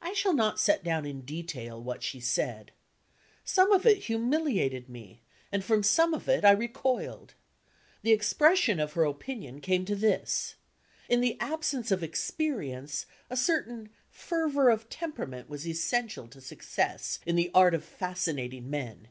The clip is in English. I shall not set down in detail what she said. Some of it humiliated me; and from some of it I recoiled. The expression of her opinion came to this. In the absence of experience, a certain fervor of temperament was essential to success in the art of fascinating men.